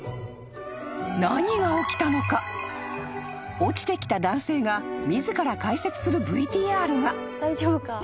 ［落ちてきた男性が自ら解説するＶＴＲが］